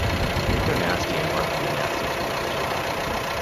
Rico Nasty embarked on The Nasty Tour in July.